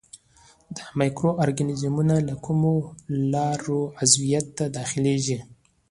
مایکرو ارګانیزمونه له کومو لارو عضویت ته داخليږي.